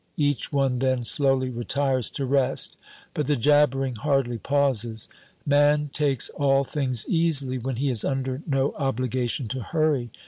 Each one then slowly retires to rest, but the jabbering hardly pauses. Man takes all things easily when he is under no obligation to hurry.